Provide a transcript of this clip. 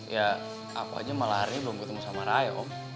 ya aku aja malah hari ini belum ketemu sama raya om